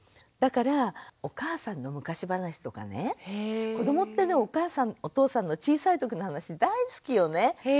だからお母さんの昔話とかね。子どもってねお母さんお父さんの小さい時の話大好きよね。